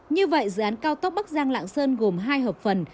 như vậy dự án cao tốc bắc giang lạng sơn gồm hai hợp phần